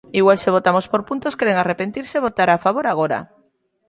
Igual se votamos por puntos queren arrepentirse e votar a favor agora.